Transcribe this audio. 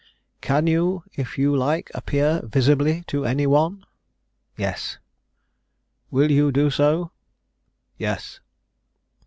"Can you, if you like, appear visibly to any one?" "Yes." "Will you do so?" "Yes."